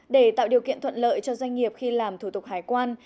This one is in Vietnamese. để tạo điều kiện thuận lợi cho doanh nghiệp khi làm thủ tục hải quan